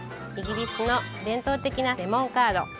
イギリスの伝統的なレモンカード。